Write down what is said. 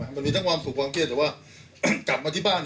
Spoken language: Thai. มันมีทั้งความสุขความเครียดแต่ว่ากลับมาที่บ้าน